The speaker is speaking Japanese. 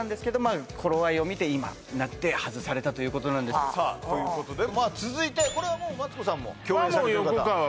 あ頃合いをみて今になって外されたということなんですさあということでまあ続いてこれはマツコさんも共演されてる方まあ